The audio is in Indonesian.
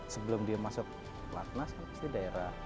sebelum dia masuk lat nas pasti daerah